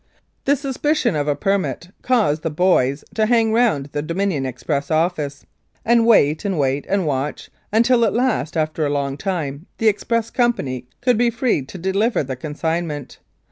39 Mounted Police Life in Canada The suspicion of a permit caused the "boys " to hang round the Dominion Express office, and wait and wait and watch, until at last, after a long time, the Express Company would be free to deliver the consignment.